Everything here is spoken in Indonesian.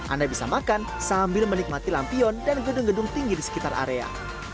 anda bisa makan sambil menikmati lampion dan gedung gedung tinggi di sekitar area